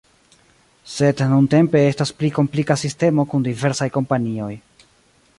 Sed nuntempe estas pli komplika sistemo kun diversaj kompanioj.